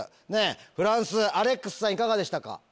フランスアレックスさんいかがでしたか？